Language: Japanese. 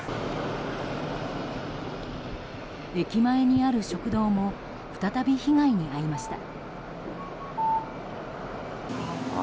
駅前にある食堂も再び被害に遭いました。